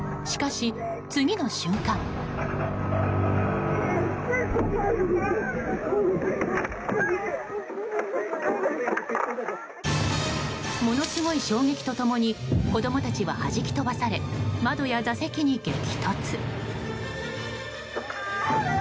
ものすごい衝撃と共に子供たちは、はじき飛ばされ窓や座席に激突。